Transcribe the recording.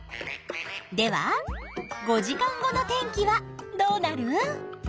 では５時間後の天気はどうなる？